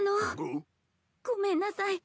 ん？ごめんなさい。